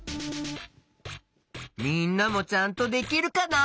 みんなもちゃんとできるかな？